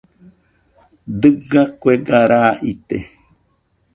Dɨga kuega raa ite.